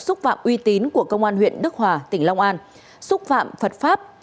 xúc phạm uy tín của công an huyện đức hòa tỉnh long an xúc phạm phật pháp